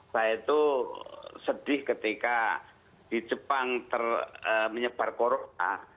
saya itu sedih ketika di jepang menyebar corona